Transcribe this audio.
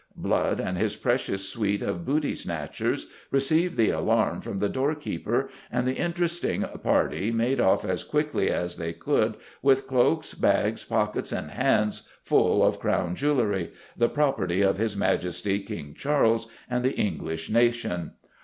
Blood and his precious suite of booty snatchers received the alarm from the doorkeeper, and the interesting party made off as quickly as they could with cloaks, bags, pockets, and hands full of Crown jewellery, the property of His Majesty King Charles and the English nation.